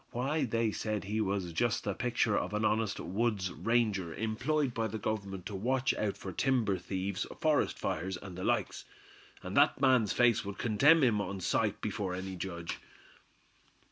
Why, they said he was just the picture of an honest wood's ranger, employed by the Government to watch out for timber thieves, forest fires and the likes. And that man's face would condemn him on sight before any judge."